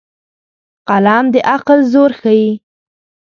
قلم د عقل زور ښيي